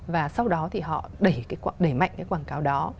và sau đó thì họ đẩy mạnh cái quảng cáo đó